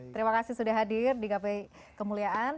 terima kasih sudah hadir di gapai kemuliaan